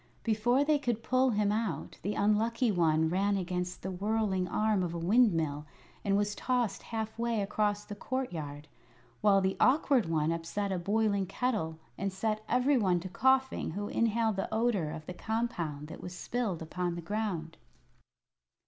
Before they could pull him out the Unlucky One ran against the whirling arm of a windmill and was tossed half way across the courtyard, while the Awkward One upset a boiling kettle and set every one to coughing who inhaled the odor of the compound that was spilled upon the ground.